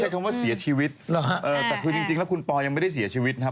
คำว่าเสียชีวิตแต่คือจริงแล้วคุณปอยังไม่ได้เสียชีวิตนะครับ